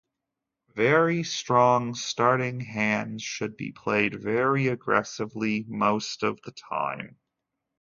Very strong starting hands should be played very aggressively most of the time.